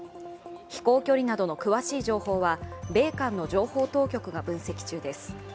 飛行距離などの詳しい情報は米韓の情報当局が分析中です。